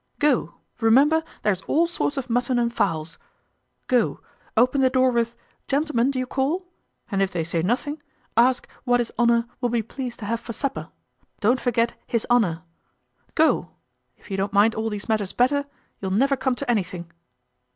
Go, remember there's all sorts of mutton and fowls; go, open the door with, Gentlemen, d'ye call? and if they say nothing, ask what his honour will be pleased to have for supper? Don't forget his honour. Go; if you don't mind all these matters better, you'll never come to anything."